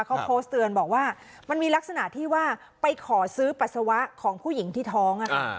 เขาโพสต์เตือนบอกว่ามันมีลักษณะที่ว่าไปขอซื้อปัสสาวะของผู้หญิงที่ท้อง